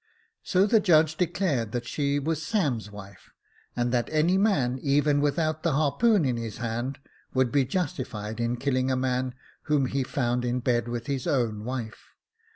So the judge declared that she was Sam's wife, and that any man, even without the harpoon in his hand, would be justified in killing a man whom he found in bed with his own wife.